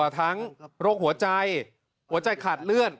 สำหรับทั้งโรคหัวใจหัวใจขาดเลือด